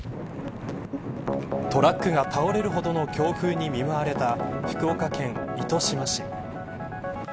トラックが倒れるほどの強風に見舞われた福岡県糸島市。